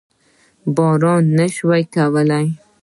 باور نه شو کولای.